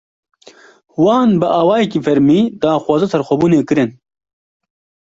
Wan bi awayekî fermî, daxwaza serxwebûnê kirin